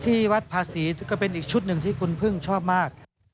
ที่วัดภาษีก็เป็นอีกชุดหนึ่งที่คุณพึ่งชอบมาก